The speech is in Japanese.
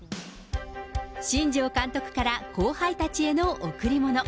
新庄監督から後輩たちへの贈り物。